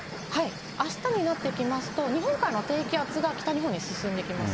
あしたになってきますと、日本海の低気圧が北日本に進んできます。